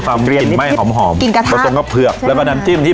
ความกลิ่นไม่หอมหอมกระสุนครับเผือกแล้วก็น้ำจิ้มที่